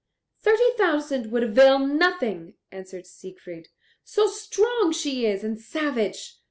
"Thirty thousand would avail nothing." answered Siegfried, "so strong she is and savage.